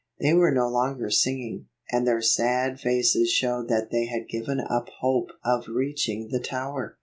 They were no longer singing, and their sad faces showed that they had given up hope of reaching the tower.